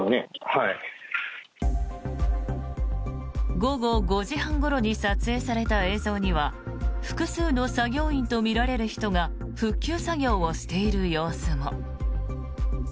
午後５時半ごろに撮影された映像には複数の作業員とみられる人が復旧作業をしている様子も。